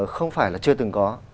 không phải là chưa từng có